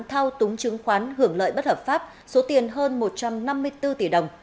thao túng chứng khoán hưởng lợi bất hợp pháp số tiền hơn một trăm năm mươi bốn tỷ đồng